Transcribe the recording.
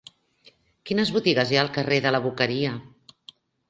Quines botigues hi ha al carrer de la Boqueria?